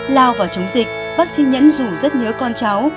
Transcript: lao vào chống dịch bác sĩ nhẫn dù rất nhớ con cháu